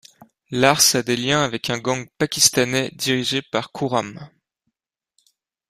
Lars a des liens avec un gang pakistanais dirigé par Khuram.